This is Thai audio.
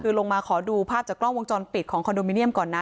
คือลงมาขอดูภาพจากกล้องวงจรปิดของคอนโดมิเนียมก่อนนะ